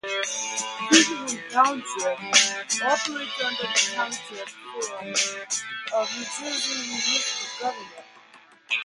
Kingwood Township operates under the Township form of New Jersey municipal government.